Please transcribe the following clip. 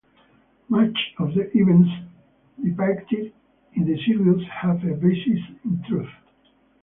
Much of the events depicted in the series have a basis in truth.